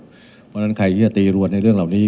เพราะฉะนั้นใครที่จะตีรวนในเรื่องเหล่านี้